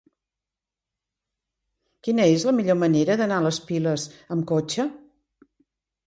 Quina és la millor manera d'anar a les Piles amb cotxe?